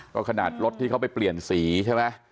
ก็ขนาดรถที่เขาไปเปลี่ยนสีใช่ไหม